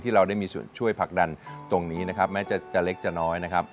เราได้มีส่วนช่วยผลักดันตรงนี้นะครับแม้จะเล็กจะน้อยนะครับ